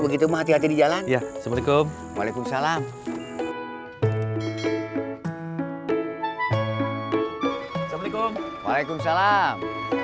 begitu mati hati di jalan ya assalamualaikum waalaikumsalam waalaikumsalam waalaikumsalam